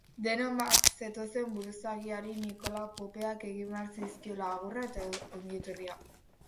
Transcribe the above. Denok bat zetozen buruzagiari Nikola popeak egin behar zizkiola agurra eta ongietorria.